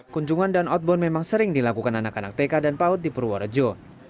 kunjungan dan outbound memang sering dilakukan anak anak tk dan paut di purworejo